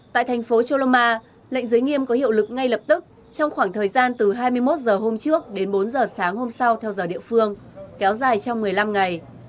tại thành phố choloma lệnh giới nghiêm có hiệu lực ngay lập tức trong khoảng thời gian từ hai mươi một h hôm trước đến bốn h sáng hôm sau theo giờ địa phương kéo dài trong một mươi năm ngày